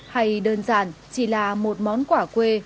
hay đơn giản chỉ là một món quả quê